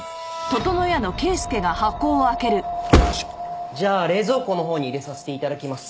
ん？じゃあ冷蔵庫のほうに入れさせて頂きます。